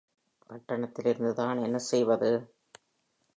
பட்டணத்திலிருந்துதான் என்ன செய்வது?